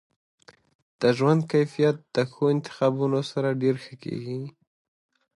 د ژوند کیفیت د ښو انتخابونو سره ډیر ښه کیږي.